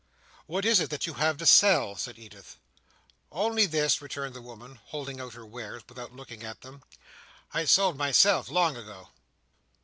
"What is it that you have to sell?" said Edith. "Only this," returned the woman, holding out her wares, without looking at them. "I sold myself long ago."